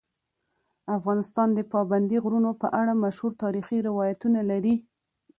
افغانستان د پابندي غرونو په اړه مشهور تاریخی روایتونه لري.